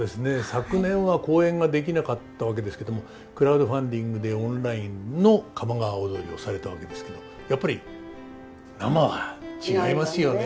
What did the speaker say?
昨年は公演ができなかったわけですけどもクラウドファンディングでオンラインの「鴨川をどり」をされたわけですけどやっぱり生は違いますよね。